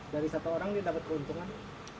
dari satu orang dia dapat keuntungan